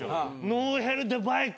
ノーヘルでバイク